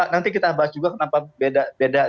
tiga puluh delapan nanti kita bahas juga kenapa beda